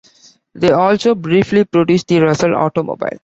They also briefly produced the Russell automobile.